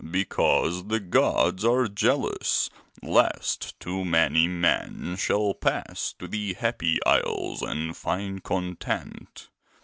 Because the gods are jealous, lest too many men shall pass to the Happy Isles and find content.